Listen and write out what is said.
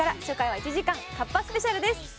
初回は１時間カッパスペシャルです。